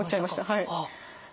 はい。